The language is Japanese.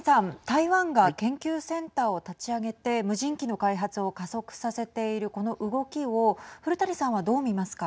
台湾が研究センターを立ち上げて無人機の開発を加速させているこの動きを古谷さんは、どう見ますか。